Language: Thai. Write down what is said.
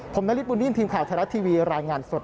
ผมณฤทธิ์บุญดินทีมข่าวไทยรัตน์ทีวีรายงานสด